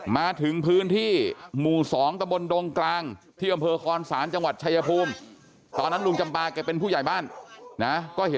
มาถึงพื้นที่หมู่๒ตะบลดงกลางที่อำเภอคอนศาลจังหวัดชายภูมิ